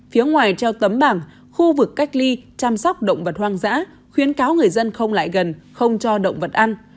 phía ngoài treo tấm bảng khu vực cách ly chăm sóc động vật hoang dã khuyến cáo người dân không lại gần không cho động vật ăn